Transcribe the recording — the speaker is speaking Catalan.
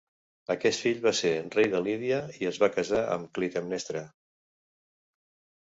Aquest fill va ser rei de Lídia i es va casar amb Clitemnestra.